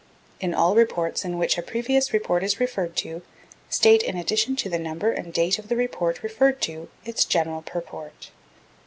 In all reports in which a previous report is referred to, state in addition to the number and date of the report referred to, its general purport.